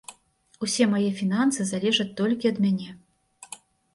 Усе мае фінансы залежаць толькі ад мяне.